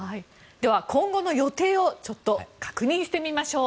今後の予定を確認してみましょう。